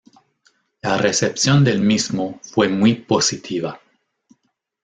La recepción del mismo fue muy positiva.